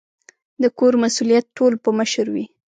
د کور مسؤلیت ټول په مشر وي